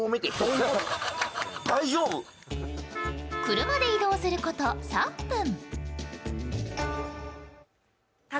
車で移動すること３分。